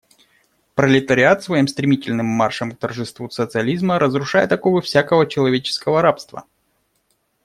Пролетариат своим стремительным маршем к торжеству социализма разрушает оковы всякого человеческого рабства.